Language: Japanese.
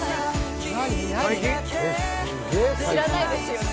知らないですよね？